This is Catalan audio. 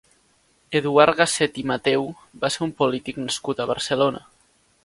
Eduard Gasset i Matheu va ser un polític nascut a Barcelona.